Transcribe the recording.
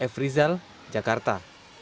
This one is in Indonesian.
f rizal jakarta